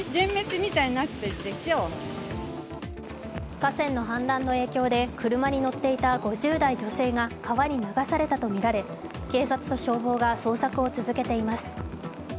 河川の氾濫の影響で車に乗っていた５０代女性が川に流されたとみられ警察と消防が捜索を続けています。